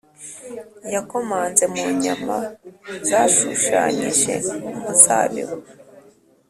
yakomanze mu nyama zashushanyije umuzabibu,